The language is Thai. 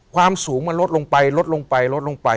ความสูงมันลดลงไปลดลงไปลดลงไป